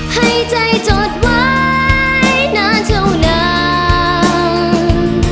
ให้ใจจดไว้นานเท่านั้น